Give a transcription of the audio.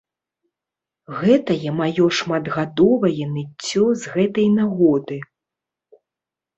Гэтае маё шматгадовая ныццё з гэтай нагоды.